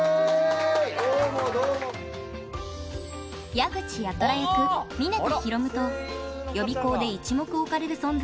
矢口八虎役峯田大夢と予備校で一目置かれる存在